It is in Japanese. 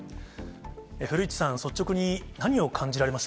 古市さん、率直に何を感じら